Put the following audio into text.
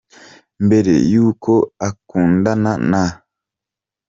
Mbere y’uko akundana na